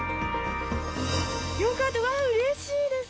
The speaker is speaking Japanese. よかった、わー、うれしいです。